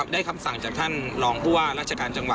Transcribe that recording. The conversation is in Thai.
คำสั่งจากท่านรองผู้ว่าราชการจังหวัด